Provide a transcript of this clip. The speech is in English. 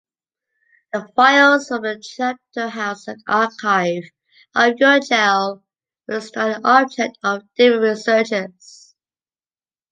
The files from the Chapterhouse Archive of Urgell were the study object of different researchers.